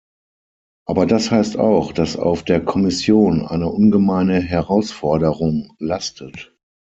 Aber das heißt auch, dass auf der Kommission eine ungemeine Herausforderung lastet.